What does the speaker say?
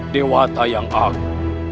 dewata yang aku